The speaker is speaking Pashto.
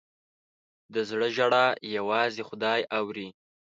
د زړه ژړا یوازې خدای اوري.